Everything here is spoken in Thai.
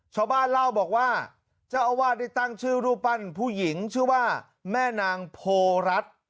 ชาวบ้านเล่าบอกว่าเจ้าอาวาสได้ตั้งชื่อรูปปั้นผู้หญิงชื่อว่าแม่นางโพรัฐ